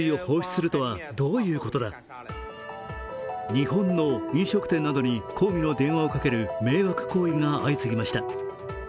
日本の飲食店などに抗議の電話をかける迷惑行為が相次ぎました。